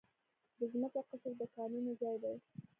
د ځمکې قشر د کانونو ځای دی.